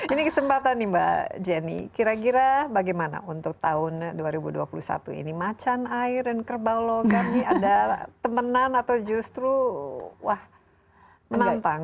ini kesempatan nih mbak jenny kira kira bagaimana untuk tahun dua ribu dua puluh satu ini macan air dan kerbau logam ini ada temenan atau justru wah menantang